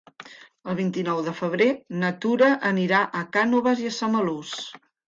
El vint-i-nou de febrer na Tura anirà a Cànoves i Samalús.